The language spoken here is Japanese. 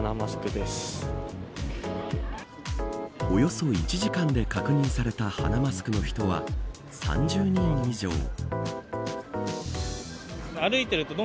およそ１時間で確認された鼻マスクの人は３０人以上。